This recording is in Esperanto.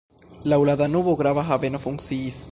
Laŭ la Danubo grava haveno funkciis.